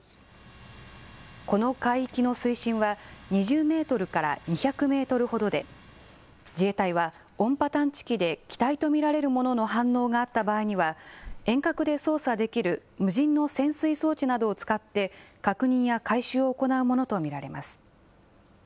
この海域の水深は２０メートルから２００メートルほどで、自衛隊は音波探知機で機体と見られるものの反応があった場合には、遠隔で操作できる無人の潜水装置などを使って確認や回収を行うものと見られます。